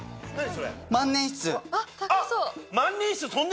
それ。